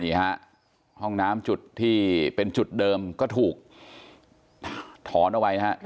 นี่ฮะห้องน้ำจุดที่เป็นจุดเดิมก็ถูกถอนเอาไว้นะครับ